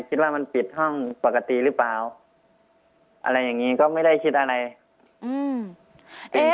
คิดว่ามันปิดห้องปกติหรือเปล่าอะไรอย่างนี้ก็ไม่ได้คิดอะไรอืม